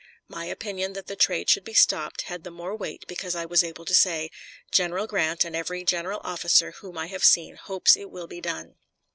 My opinion that the trade should be stopped had the more weight because I was able to say, "General Grant and every general officer whom I have seen hopes it will be done."